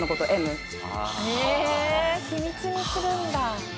へえ秘密にするんだ。